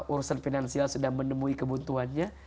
urusan finansial sudah menemui kebutuhannya